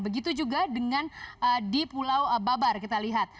begitu juga dengan di pulau babar kita lihat